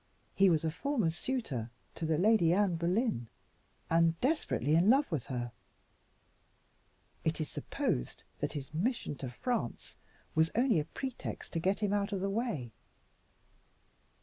He was a former suitor to the Lady Anne Boleyn, and desperately in love with her; and it is supposed that his mission to France was only a pretext to get him out of the way."